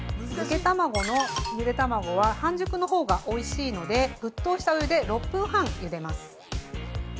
漬け卵のゆで卵は半熟のほうがおいしいので沸騰したお湯で６分半ゆでます。